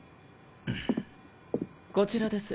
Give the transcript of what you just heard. んんこちらです